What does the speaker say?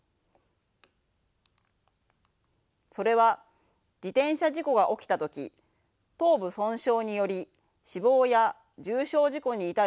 それは自転車事故が起きた時頭部損傷により死亡や重傷事故に至るおそれが大きいからです。